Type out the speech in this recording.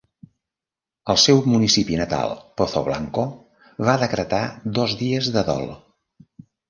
El seu municipi natal, Pozoblanco, va decretar dos dies de dol.